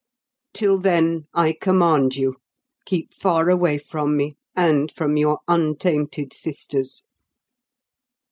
Till then, I command you, keep far away from me, and from your untainted sisters."